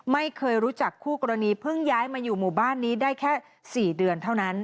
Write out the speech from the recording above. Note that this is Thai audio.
ไม่เคยรู้จักคู่กรณีเพิ่งย้ายมาอยู่หมู่บ้านนี้ได้แค่๔เดือนเท่านั้น